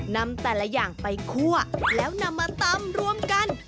นำแต่ละอย่างไปคั่วแล้วนำมาตำรวมกัน